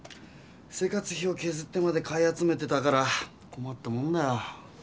生活費をけずってまで買い集めてたからこまったもんだよ。